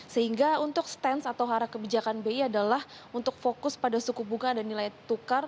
sehingga untuk stance atau hara kebijakan bi adalah untuk fokus pada suku bunga dan nilai rupiah yang lebih stabil untuk saat ini